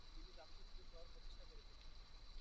তিনি জামশেদপুর শহর প্রতিষ্ঠা করেছিলেন।